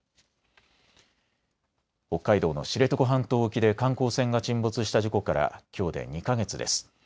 北海道の知床半島沖で観光船が沈没した事故からきょうで２か月です。